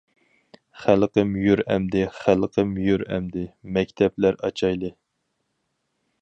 خەلقىم يۈر ئەمدى خەلقىم يۈر ئەمدى، مەكتەپلەر ئاچايلى.